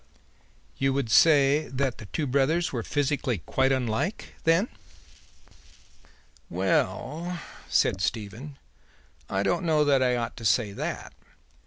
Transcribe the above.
"You would say that the two brothers were physically quite unlike, then?" "Well," said Stephen, "I don't know that I ought to say that.